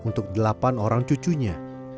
untuk delapan orang cucunya